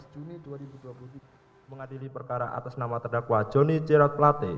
juni dua ribu dua puluh mengadili perkara atas nama terdakwa joni cerat pelate